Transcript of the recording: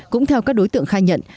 cũng theo các đối tượng khai nhận